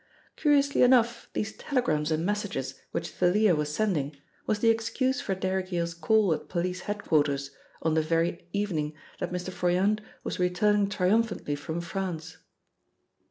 Curiously enough these telegrams and messages which Thalia was sending was the excuse for Derrick Yale's call at police head quarters, on the very evening that Mr. Froyant was returning triumphantly from France.